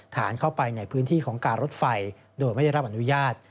ฐานเข้าไปในพื้นที่ของการรถไฟโดยไม่ได้รับอนุญาต